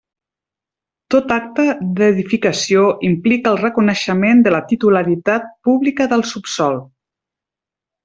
Tot acte d'edificació implica el reconeixement de la titularitat pública del subsòl.